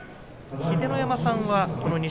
秀ノ山さん、錦